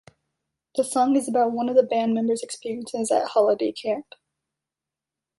The song is about one of the band members' experiences at a holiday camp.